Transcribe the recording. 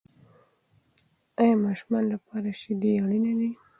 آیا ماشومانو لپاره شیدې اړینې دي؟